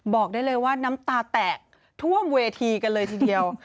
บอกได้เลยว่าน้ำตาแตกท่วมเวทีกันเลยทีเดียว